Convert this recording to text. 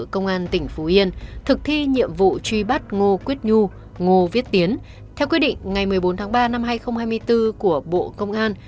công an tỉnh phú yên thực thi nhiệm vụ truy bắt ngô quyết nhu ngô viết tiến theo quyết định ngày một mươi bốn tháng ba năm hai nghìn hai mươi bốn của bộ công an